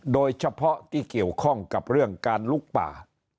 โดยเฉพาะที่เกี่ยวข้องกับเรื่องการลุกป่า